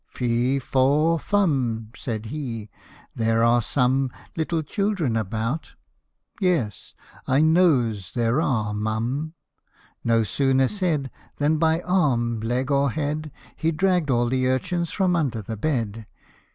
" Fee, faw, fum !" Said he, " there are some Little children about yes, I nose there are, mum !" No sooner said, Than by arm, leg, or head, He dragged all the urchins from under the bed.